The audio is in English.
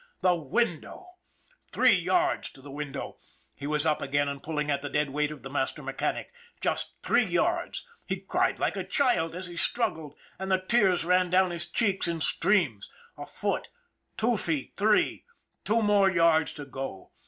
The window! Three yards to the window! He was up again, and pulling at the dead weight of the master mechanic. Just three yards! He cried like a child as he struggled, and the tears ran down his cheeks in streams. A foot, two feet, three two more yards to go.